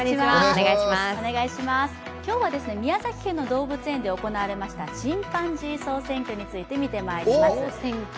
今日は宮崎県の動物園で行われましたチンパンジー総選挙について見てまいります。